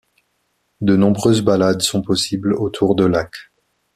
De nombreuses balades sont possibles autour de lac.